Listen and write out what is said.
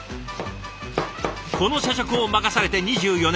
この社食を任されて２４年。